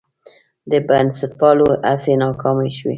د بنسټپالو هڅې ناکامې شوې.